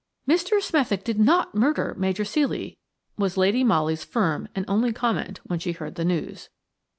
"Mr. Smethick did not murder Major Ceely," was Lady Molly's firm and only comment when she heard the news.